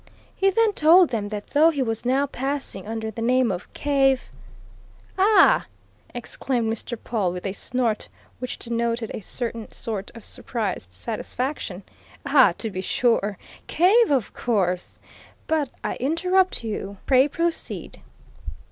He then told them that though he was now passing under the name of Cave " "Ah!" exclaimed Mr. Pawle, with a snort which denoted a certain sort of surprised satisfaction. "Ah, to be sure! Cave, of course! But I interrupt you pray proceed."